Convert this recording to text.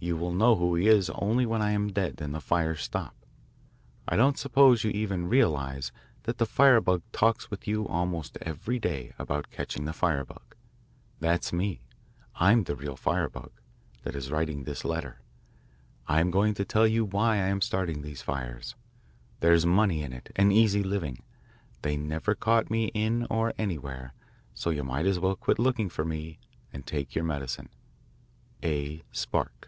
You will know who he is only when I am dead and the fires stop. I don't suppose you even realise that the firebug talks with you almost every day about catching the firebug. That's me. I am the real firebug, that is writing this letter. I am going to tell you why I am starting these fires. There's money in it an easy living. They never caught me in or anywhere, so you might as well quit looking for me and take your medicine. A. SPARK.